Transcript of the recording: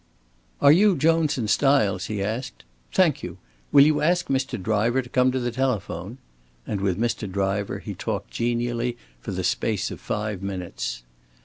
"Are you Jones and Stiles?" he asked. "Thank you! Will you ask Mr. Driver to come to the telephone"; and with Mr. Driver he talked genially for the space of five minutes.